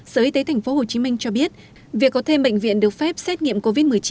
sở y tế tp hcm cho biết việc có thêm bệnh viện được phép xét nghiệm covid một mươi chín